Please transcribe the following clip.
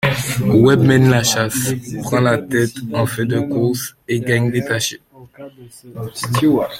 Webb mène la chasse, prend la tête en fin de course et gagne détaché.